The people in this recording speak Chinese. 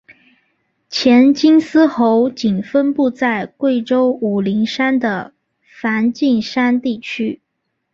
黔金丝猴仅分布在贵州武陵山的梵净山地区。